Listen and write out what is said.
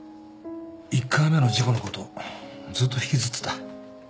１回目の事故のことずっと引きずってた。